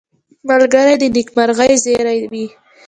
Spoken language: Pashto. ملګری د نېکمرغۍ زېری وي